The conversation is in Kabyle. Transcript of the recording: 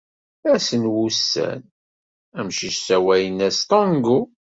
Ass wussan, amcic ssawalen-as Tango.